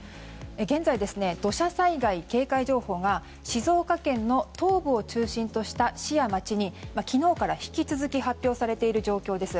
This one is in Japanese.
現在、土砂災害警戒情報が静岡県の東部を中心とした市や町に、昨日から引き続き発表されている状況です。